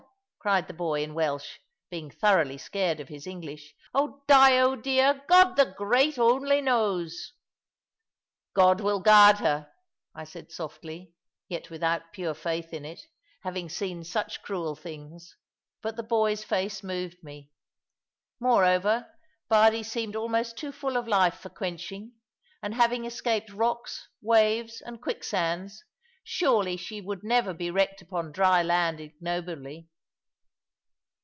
cried the boy, in Welsh, being thoroughly scared of his English. "Oh, Dyo dear, God the great only knows." "God will guard her," I said softly, yet without pure faith in it, having seen such cruel things; but the boy's face moved me. Moreover, Bardie seemed almost too full of life for quenching; and having escaped rocks, waves, and quicksands, surely she would never be wrecked upon dry land ignobly.